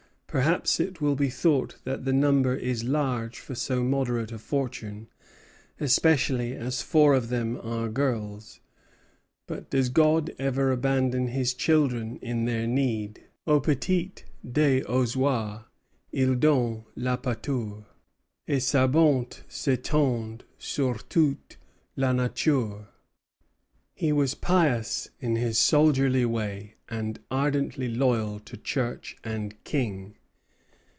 Perhaps it will be thought that the number is large for so moderate a fortune, especially as four of them are girls; but does God ever abandon his children in their need?" "'Aux petits des oiseaux il donne la pâture, Et sa bonté s'étend sur toute la nature.'" He was pious in his soldierly way, and ardently loyal to Church and King.